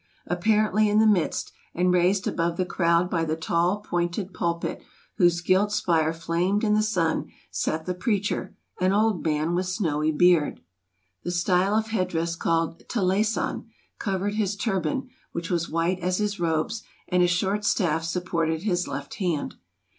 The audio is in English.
Apparently in the midst, and raised above the crowd by the tall, pointed pulpit, whose gilt spire flamed in the sun, sat the preacher, an old man with snowy beard. The style of head dress called toy las an covered his turban, which was white as his robes, and a short staff supported his left hand.